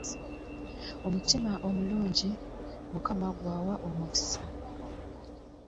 Omutima omulungi Mukama gw'awa omukisa.